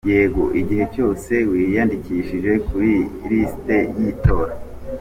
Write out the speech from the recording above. Yego, igihe cyose wiyandikishije kuri lisiti y’itora.